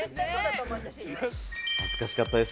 恥ずかしかったです。